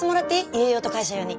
家用と会社用に。